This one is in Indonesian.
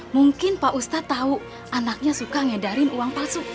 mungkin pak ustadz tahu anaknya suka ngedarin uang palsu